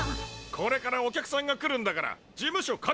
これからお客さんが来るんだから事務所片づけろ！